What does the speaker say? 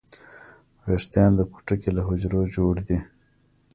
ویښتان د پوټکي له حجرو جوړ دي